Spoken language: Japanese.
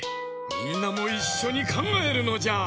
みんなもいっしょにかんがえるのじゃ！